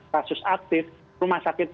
kasus aktif rumah sakit